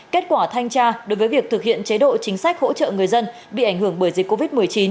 kết quả thanh tra đối với việc thực hiện chế độ chính sách hỗ trợ người dân bị ảnh hưởng bởi dịch covid một mươi chín